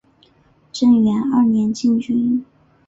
正元二年进军。